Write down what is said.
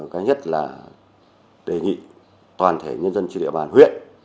cái nhất là đề nghị toàn thể nhân dân trên địa bàn huyện